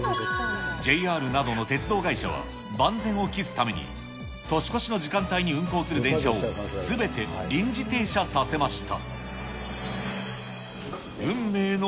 ＪＲなどの鉄道会社は、万全を期すために、年越しの時間帯に運行する電車をすべて臨時停車させました。